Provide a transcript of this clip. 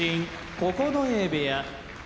九重部屋